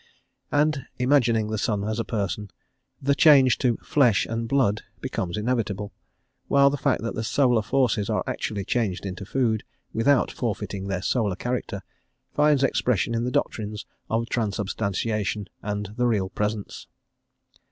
And imagining the sun as a person, the change to 'flesh' and 'blood' becomes inevitable; while the fact that the solar forces are actually changed into food, without forfeiting their solar character, finds expression in the doctrines of transubstantiation and the real presence."